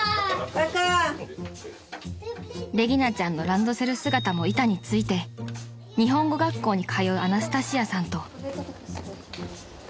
［レギナちゃんのランドセル姿も板について日本語学校に通うアナスタシアさんと］